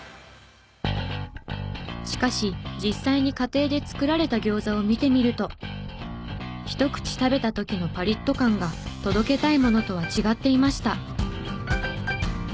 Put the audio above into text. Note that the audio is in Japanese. しかし実際に家庭で作られたギョーザを見てみるとひと口食べた時のパリッと感が届けたいものとは違っていました。